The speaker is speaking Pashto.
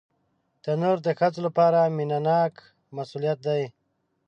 تنور د ښځو لپاره مینهناک مسؤلیت دی